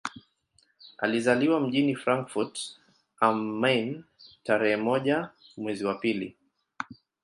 Alizaliwa mjini Frankfurt am Main tarehe moja mwezi wa pili